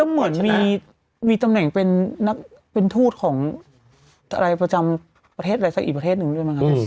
เหมือนมีตำแหน่งเป็นทูตของอะไรประจำประเทศอะไรสักอีกประเทศหนึ่งด้วยมั้งครับ